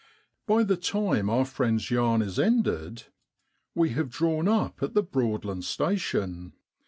By the time our friend's yarn is ended, we have drawn up at the Broadland Station.